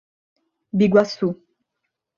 Biguaçu